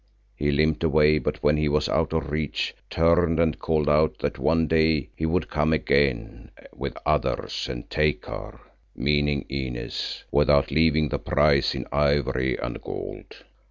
He limped away but when he was out of reach, turned and called out that one day he would come again with others and take her, meaning Inez, without leaving the price in ivory and gold.